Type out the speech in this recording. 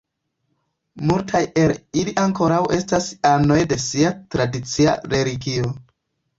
Multaj el ili ankoraŭ estas anoj de sia tradicia religio.